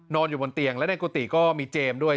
อยู่บนเตียงและในกุฏิก็มีเจมส์ด้วย